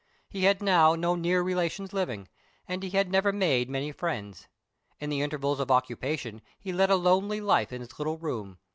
He had now no near relations living, and he had never made many friends. In the intervals of occupation he led a lonely life in his little room.